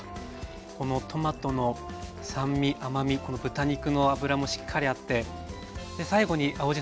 このトマトの酸味甘みこの豚肉の脂もしっかりあって最後に青じ